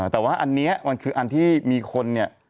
แต่ว่าอันนี้มันคืออันที่มีคนเนี่ย